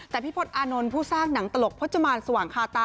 แต่พี่พศอานนท์ผู้สร้างหนังตลกพจมานสว่างคาตา